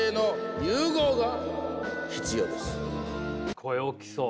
声大きそう。